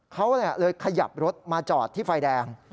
เขาเลยขยับรถมาจอดที่ไฟแดง